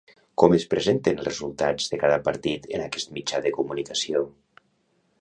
Com es presenten els resultats de cada partit en aquest mitjà de comunicació?